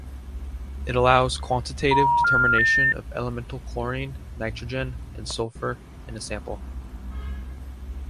It allows quantitative determination of elemental chlorine, nitrogen and sulfur in a sample.